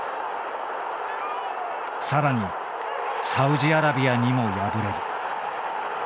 更にサウジアラビアにも敗れる。